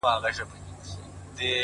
اخلاق د انسان خاموش شهرت دی’